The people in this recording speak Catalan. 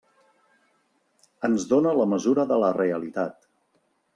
Ens dóna la mesura de la realitat.